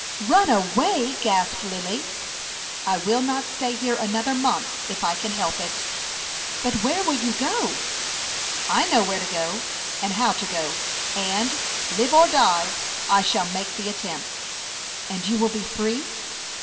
"Run away!" gasped Lily. "I will not stay here another month if I can help it." "But where will you go?" "I know where to go, and how to go; and, live or die, I shall make the attempt." "And you will be free?"